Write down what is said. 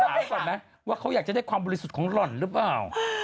ก่อนไหมว่าเขาอยากจะได้ความบริสุทธิ์ของหล่อนหรือเปล่า